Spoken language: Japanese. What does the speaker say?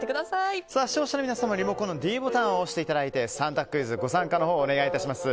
視聴者の皆さんはリモコンのｄボタンを押していただいて３択クイズにご参加のほうをお願いします。